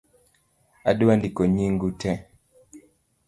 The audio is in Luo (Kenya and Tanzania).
Adwa ndiko nying'u tee